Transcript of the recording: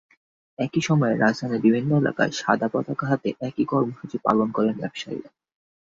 একই সময়ে রাজধানীর বিভিন্ন এলাকায় সাদা পতাকা হাতে একই কর্মসূচি পালন করেন ব্যবসায়ীরা।